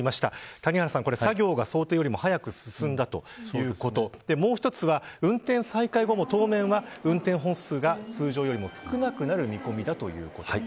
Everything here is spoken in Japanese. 谷原さん、作業が想定よりも早く進んだということでもう一つは運転再開後も当面は、運転本数が通常よりも少なくなる見込みだということです。